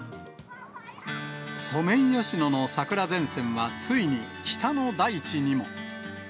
ソメイヨシノの桜前線はついに北の大地にも。